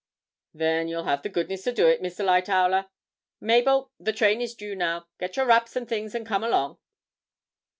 'Then have the goodness to do it, Mr. Lightowler. Mabel, the train is due now. Get your wraps and things and come along.'